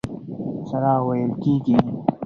سره وېل کېږي.